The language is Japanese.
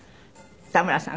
田村さん